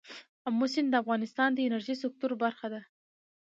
آمو سیند د افغانستان د انرژۍ سکتور برخه ده.